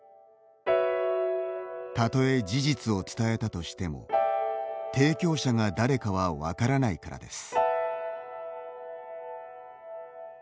たとえ事実を伝えたとしても提供者が誰かは分からないからです。